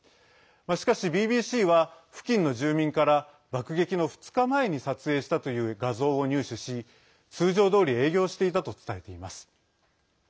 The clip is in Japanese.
しかしＢＢＣは、付近の住民から爆撃の２日前に撮影したという画像を入手し通常どおり営業していたと伝えています。